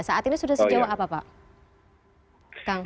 saat ini sudah sejauh apa pak